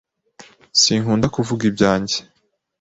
Sinkunda kuvuga ibyanjye.